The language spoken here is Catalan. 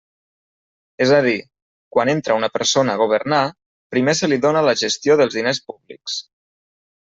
És a dir, quan entra una persona a governar, primer se li dóna la gestió dels diners públics.